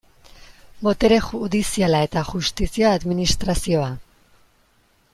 Botere judiziala eta justizia administrazioa.